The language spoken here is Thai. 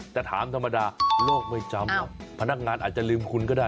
แต่ถามธรรมดาโลกไม่จำพนักงานอาจจะลืมคุณก็ได้